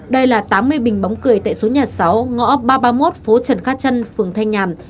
đây là tám mươi bình bóng cười tại số nhà sáu ngõ ba trăm ba mươi một phố trần cát trân phường thanh nhàn